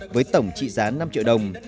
với tổng trị giá năm triệu đồng